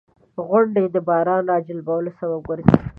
• غونډۍ د باران راجلبولو سبب ګرځي.